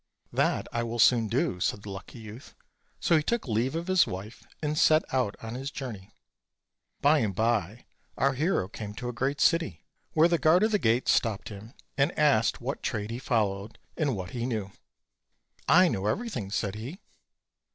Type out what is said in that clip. "That I will soon do," said the lucky youth: so he took leave of his wife, and set out on his journey. OLD, OLD FAIRT TALES. 6? By and by our hero came to a great city, where the guard of the gate stopped him, and asked what trade he followed, and what he knew. "I know everything," said he.